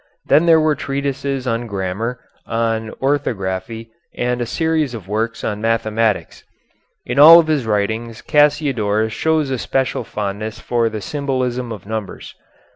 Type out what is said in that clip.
Then there were treatises on grammar, on orthography, and a series of works on mathematics. In all of his writings Cassiodorus shows a special fondness for the symbolism of numbers.